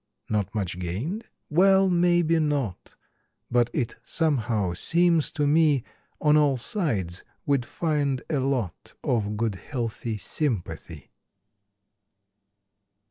Not much gained? Well, maybe not — But it somehow seems to me On all sides we'd find a lot Of good healthy sympathy!